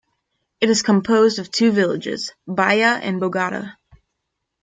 It is composed of two villages, Baia and Bogata.